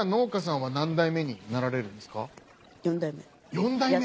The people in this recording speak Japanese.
４代目！？